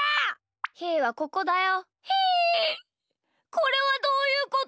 これはどういうこと？